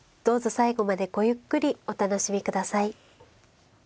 どうぞ最後までごゆっくりお楽しみ下さい。